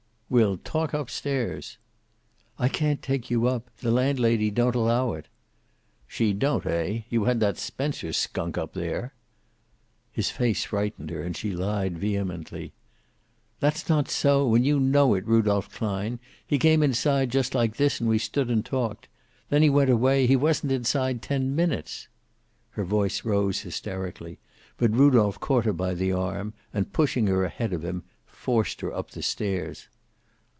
"We'll talk up stairs." "I can't take you up. The landlady don't allow it." "She don't, eh? You had that Spencer skunk up there." His face frightened her, and she lied vehemently. "That's not so, and you know it, Rudolph Klein. He came inside, just like this, and we stood and talked. Then he went away. He wasn't inside ten minutes." Her voice rose hysterically, but Rudolph caught her by the arm, and pushing her ahead of him, forced her up the stairs.